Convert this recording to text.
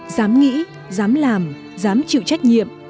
dám nghĩ dám làm dám chịu trách nhiệm